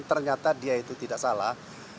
ternyata dia itu tidak salah